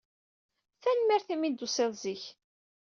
Tanemmirt imi ay d-tusiḍ zik.